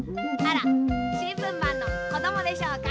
しんぶんマンのこどもでしょうか。